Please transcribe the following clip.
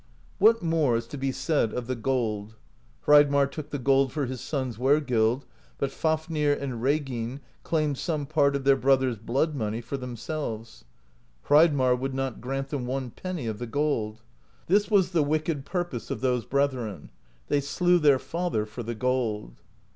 What more is to be said of the gold ? Hreidmarr took the gold for his son's wergild, but Fafnir and Reginn claimed some part of their brother's blood money for them selves. Hreidmarr would not grant them one penny of the gold. This was the wicked purpose of those brethren: they slew their father for the gold.